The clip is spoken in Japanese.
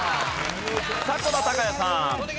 迫田孝也さん。